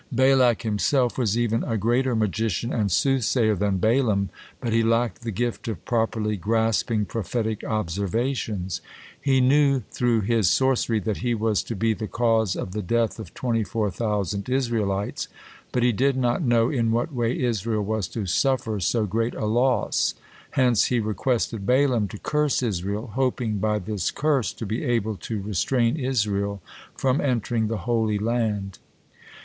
Balak himself was even a greater magician and soothsayer than Balaam, but he lacked the gift of properly grasping prophetic observations. He knew through his sorcery that he was to be the cause of the death of twenty four thousand Israelites, but he did not know in what way Israel was to suffer so great a loss, hence he requested Balaam to curse Israel, hoping by this curse to be able to restrain Israel from entering the Holy Land.